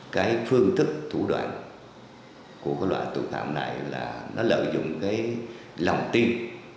cái phương tức thủ đoạn của loại tù thạm này là nó lợi dụng cái lòng tin